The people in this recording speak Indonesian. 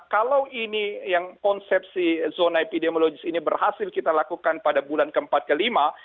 kalau ini yang konsepsi zona epidemiologis ini berhasil kita lakukan pada bulan keempat kelima